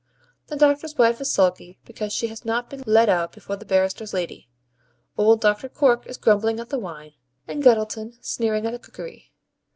The Doctor's wife is sulky, because she has not been led out before the barrister's lady; old Doctor Cork is grumbling at the wine, and Guttleton sneering at the cookery.